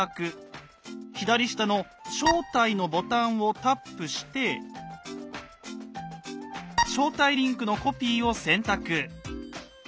左下の「招待」のボタンをタップして「招待リンクのコピー」を選択。